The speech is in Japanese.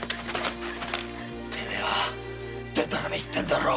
てめえはでたらめ言ってんだろ？